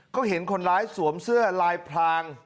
เขาเห็นคนร้ายสวมเสื้อลายพลาง